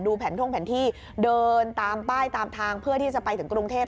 แผนท่องแผนที่เดินตามป้ายตามทางเพื่อที่จะไปถึงกรุงเทพ